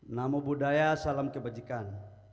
namo buddhaya salam kebajikan